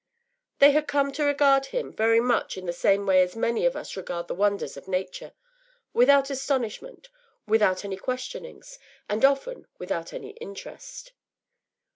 They had come to regard him very much in the same way as many of us regard the wonders of nature, without astonishment, without any questionings, and often without any interest.